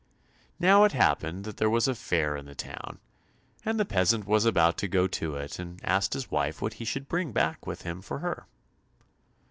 Now it happened that there was a fair in the town, and the peasant was about to go to it, and asked his wife what he should bring back with him for her.